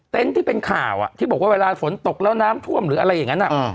ที่เป็นข่าวที่บอกว่าเวลาฝนตกแล้วน้ำท่วมหรืออะไรอย่างนั้น